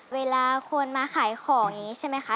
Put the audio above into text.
เวลาคนมาขายของอย่างนี้ใช่ไหมคะ